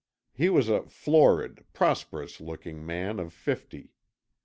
He was a florid, prosperous looking man of fifty.